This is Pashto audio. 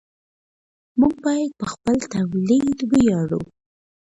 موږ باید په خپل تولید ویاړو.